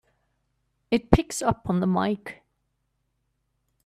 It picks up on the mike!